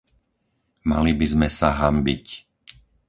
Mali by sme sa hanbiť.